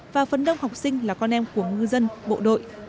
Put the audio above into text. và phần đông học sinh là con em của ngư dân bộ đội